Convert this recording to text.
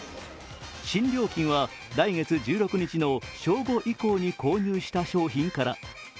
新料金は来月１６日の正午以降に購入した商品から。